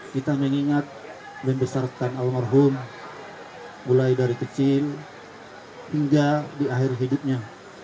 kita mengingat membesarkan almarhum mulai dari kecil hingga di akhir hidupnya